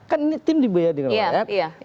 kan ini tim dibayar dengan rakyat